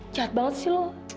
jahat banget sih lo